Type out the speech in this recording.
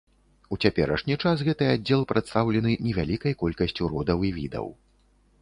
У цяперашні час гэты аддзел прадстаўлены невялікай колькасцю родаў і відаў.